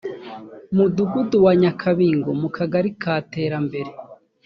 mudugudu wa nyakabingo mu kagari ka terambere